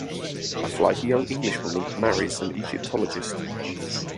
A flighty young Englishwoman marries an Egyptologist.